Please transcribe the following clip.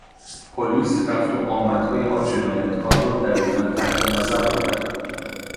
پلیس رفت و آمدهای آن جنایتکار را دقیقا تحت نظر دارد.